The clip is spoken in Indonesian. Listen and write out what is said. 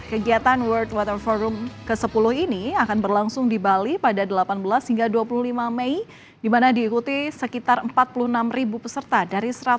kegiatan world water forum ke sepuluh ini akan berlangsung di bali pada delapan belas hingga dua puluh lima mei di mana diikuti sekitar empat puluh enam peserta dari satu ratus delapan puluh